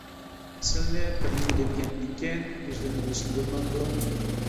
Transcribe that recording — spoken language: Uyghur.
-سىلىنى بىرنېمە دېمىگەندىكىن ئۆزلىرىنى بىلسىلە بولمامدۇ؟ !